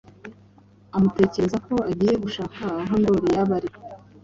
amutekerereza ko agiye gushaka aho Ndoli yaba ari.